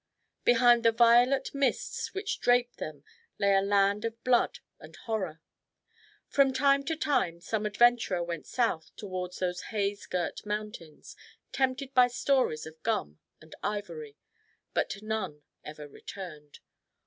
Behind the violet mists which draped them lay a land of blood and horror. From time to time some adventurer went south towards those haze girt mountains, tempted by stories of gum and ivory, but none ever returned.